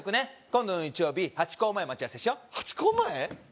今度の日曜日ハチ公前待ち合わせしよハチ公前？